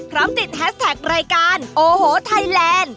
พร้อมติดแฮสแท็กรายการโอ้โหไทยแลนด์